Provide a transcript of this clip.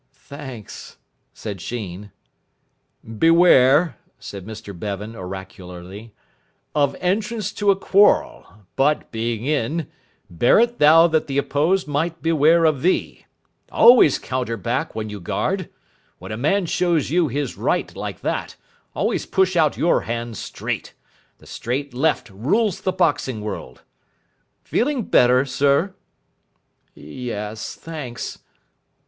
"Thanks," said Sheen. "Beware," said Mr Bevan oracularly, "of entrance to a quarrel; but, being in, bear't that th' opposed may beware of thee. Always counter back when you guard. When a man shows you his right like that, always push out your hand straight. The straight left rules the boxing world. Feeling better, sir?" "Yes, thanks."